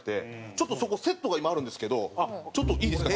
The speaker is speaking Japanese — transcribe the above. ちょっとそこセットが今あるんですけどちょっといいですか？